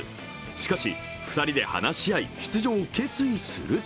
しかし２人で話し合い出場を決意すると